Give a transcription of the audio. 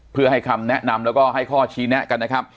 เพื่อให้คำแนะนำแล้วก็ให้ข้อชี้แนะกันนะครับ